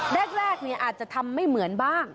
แรกอาจจะทำไม่เหมือนบ้าง